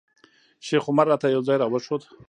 شیخ عمر راته یو ځای راوښود.